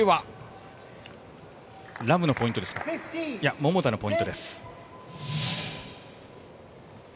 これは、桃田のポイントです。